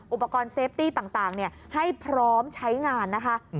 อุปกรณ์เซฟตี้ต่างให้พร้อมใช้งานนะคะ